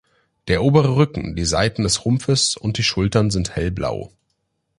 Der obere Rücken, die Seiten des Rumpfs und die Schultern sind hellblau.